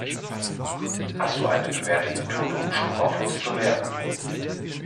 Hast du eine bewährte Methode, um Schluckauf loszuwerden?